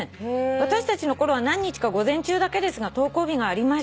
「私たちの頃は何日か午前中だけですが登校日がありました」